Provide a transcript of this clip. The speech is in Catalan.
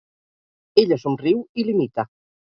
Ella somriu i l'imita.